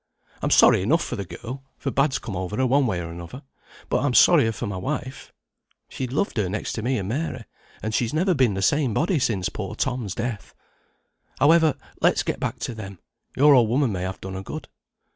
I'm sorry enough for the girl, for bad's come over her, one way or another, but I'm sorrier for my wife. She loved her next to me and Mary, and she's never been the same body since poor Tom's death. However, let's go back to them; your old woman may have done her good."